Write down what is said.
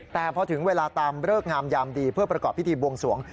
แต่พอถึงเวลาตามเลิกงามยามดีเพื่อประกอบพิธีบวงสวง